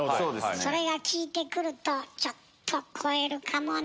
それが効いてくるとちょっと超えるかもね。